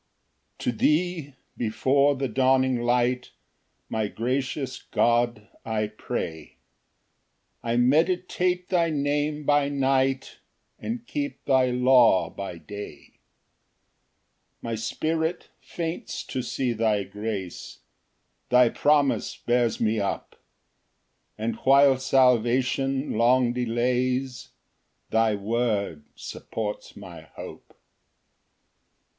Ver. 147 55. 1 TO thee, before the dawning light, My gracious God, I pray; I meditate thy Name by night, And keep thy law by day. Ver. 81. 2 My spirit faints to see thy grace, Thy promise bears me up; And while salvation long delays, Thy word supports my hope. Ver.